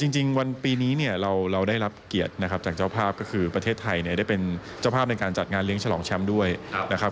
จริงวันปีนี้เนี่ยเราได้รับเกียรตินะครับจากเจ้าภาพก็คือที่ประเทศไทยได้เป็นเจ้าภาพในกลางชะลองแชมป์